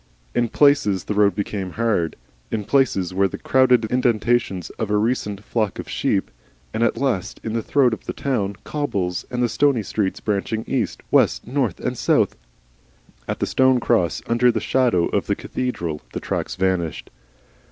In places the road became hard, in places were the crowded indentations of a recent flock of sheep, and at last in the throat of the town cobbles and the stony streets branching east, west, north, and south, at a stone cross under the shadow of the cathedral the tracks vanished.